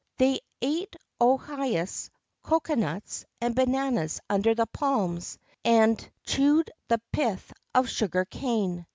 They ate ohias, cocoanuts, and bananas under the palms, and chewed the pith of sugar cane.